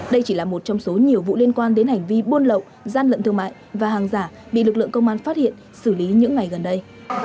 đây chỉ là một trong số nhiều vụ liên quan đến hành vi buôn lậu gian lận thương mại và hàng giả bị lực lượng công an phát hiện xử lý những ngày gần đây